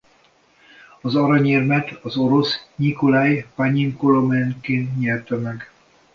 Az aranyérmet az orosz Nyikolaj Panyin-Kolomenkin nyerte meg.